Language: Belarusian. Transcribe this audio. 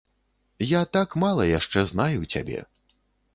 Я так мала яшчэ знаю цябе.